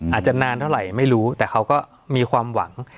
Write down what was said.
อาจจะนานเท่าไหร่ไม่รู้แต่เขาก็มีความหวัง